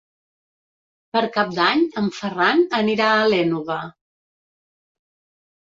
Per Cap d'Any en Ferran anirà a l'Énova.